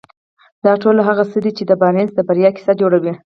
دا ټول هغه څه دي چې د بارنس د بريا کيسه جوړوي.